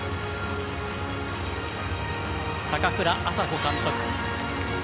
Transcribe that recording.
高倉麻子監督。